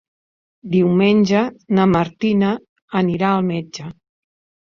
Diumenge na Martina anirà al metge.